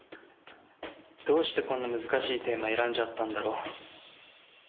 どうしてこんな難しいテーマ選んじゃったんだろ。